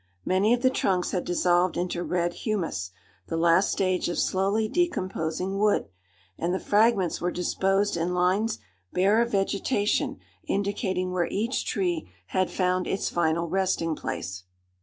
Many of the trunks had dissolved into red humus, the last stage of slowly decomposing wood, and the fragments were disposed in lines, bare of vegetation, indicating where each tree had found its final resting place.